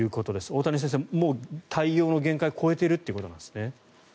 大谷先生、対応の限界が超えているということなんですね。